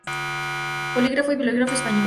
Polígrafo y bibliógrafo español.